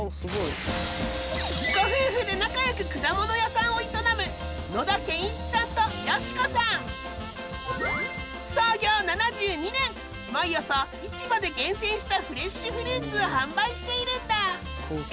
ご夫婦で仲良く果物屋さんを営む毎朝市場で厳選したフレッシュフルーツを販売しているんだ。